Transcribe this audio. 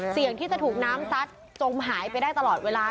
เสี่ยงที่จะถูกน้ำซัดจมหายไปได้ตลอดเวลา